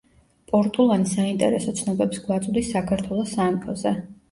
პორტულანი საინტერესო ცნობებს გვაწვდის საქართველოს სამეფოზე.